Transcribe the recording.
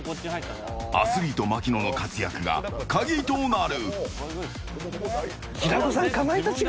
アスリート槙野の活躍が鍵となる。